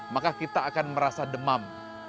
maka kita akan merasa demam